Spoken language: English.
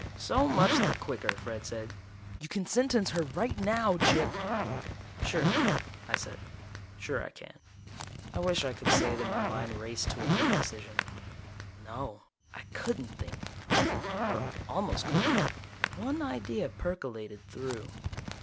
"So much the quicker," Fred said. "You can sentence her right now, Gyp!" "Sure," I said. "Sure I can." I wish I could say that my mind raced to a quick decision. No I couldn't think. Or almost couldn't. One idea percolated through.